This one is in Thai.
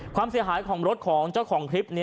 ความเสียหายของรถของเจ้าของคลิปนี้